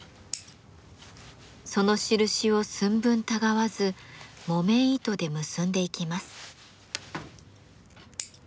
その印を寸分たがわず木綿糸で結んでいきます。